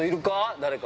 誰か。